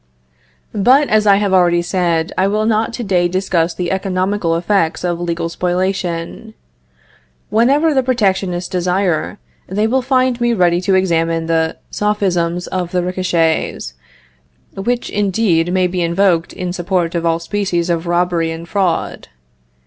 But, as I have already said, I will not to day discuss the economical effects of legal spoliation. Whenever the protectionists desire, they will find me ready to examine the sophisms of the ricochets, which, indeed, may be invoked in support of all species of robbery and fraud.